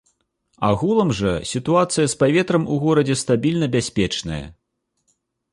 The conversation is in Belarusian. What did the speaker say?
Агулам жа сітуацыя з паветрам у горадзе стабільна бяспечная.